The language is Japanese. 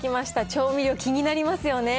調味料気になりますよね。